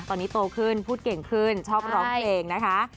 ตอนนี้โตขึ้นพูดเก่งขึ้นชอบร้องเพลงนะคะ